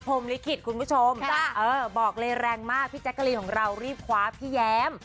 ลิขิตคุณผู้ชมบอกเลยแรงมากพี่แจ๊กกะลีนของเรารีบคว้าพี่แย้ม